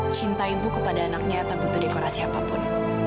cinta ibu kepada anaknya tak butuh dekorasi apapun